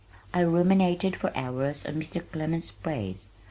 I ruminated for hours on Mr. Clement's praise.